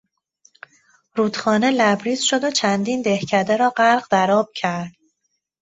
رودخانه لبریز شد و چندین دهکده را غرق در آب کرد.